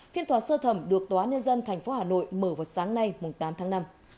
phiên tòa sơ thẩm được tòa nhân dân tp hà nội mở vào sáng nay tám tháng năm